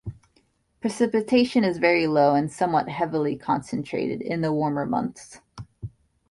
Precipitation is very low and somewhat heavily concentrated in the warmer months.